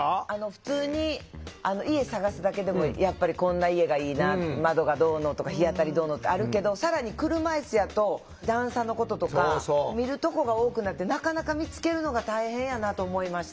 普通に家探すだけでもやっぱりこんな家がいいな窓がどうのとか日当たりどうのってあるけど更に車いすやと段差のこととか見るとこが多くなってなかなか見つけるのが大変やなと思いました。